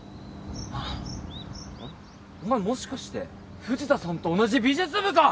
あっお前もしかして藤田さんと同じ美術部か！？